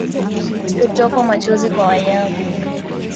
Kutokwa machozi kwa wanyama